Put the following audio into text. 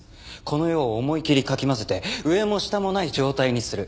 この世を思い切りかき混ぜて上も下もない状態にする。